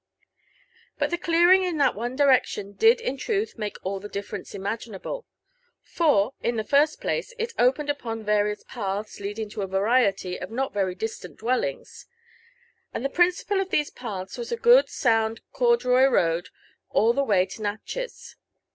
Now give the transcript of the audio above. But the clearing in that one direction did in truth make all the dif ference imaginable. For, in the first place, it opened upon various jpatba, leading to a variety of not very distant dwellings; and the prin to LIFE ANH ADVfiNTURBB Of cipal of these paths wag a good sound corduroy road all the way to Nat chez.